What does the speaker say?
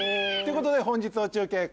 ということで本日の中継